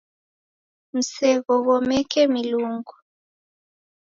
Mseghoghomekee milungu.